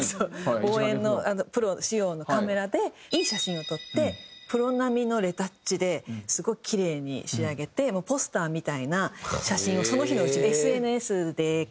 望遠のプロ仕様のカメラでいい写真を撮ってプロ並みのレタッチですごくキレイに仕上げてポスターみたいな写真をその日のうちにＳＮＳで拡散したりとか。